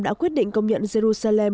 đã quyết định công nhận jerusalem